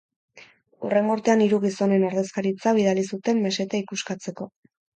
Hurrengo urtean hiru gizonen ordezkaritza bidali zuten meseta ikuskatzeko.